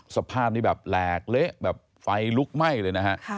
สภาพนี้แบบแหลกเละแบบไฟลุกไหม้เลยนะฮะ